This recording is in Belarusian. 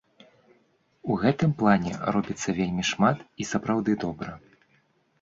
У гэтым плане робіцца вельмі шмат і сапраўды добра.